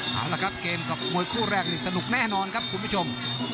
เอาละครับเกมกับมวยคู่แรกนี่สนุกแน่นอนครับคุณผู้ชม